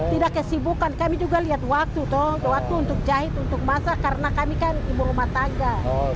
tidak kesibukan kami juga lihat waktu untuk jahit untuk masak karena kami kan timur rumah tangga